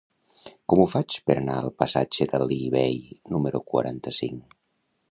Com ho faig per anar al passatge d'Alí Bei número quaranta-cinc?